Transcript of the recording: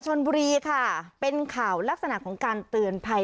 ชนบุรีค่ะเป็นข่าวลักษณะของการเตือนภัย